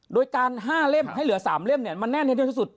โดยการห้าเล่มให้เหลือสามเล่มเนี่ยมันแน่นให้ด้วยที่สุด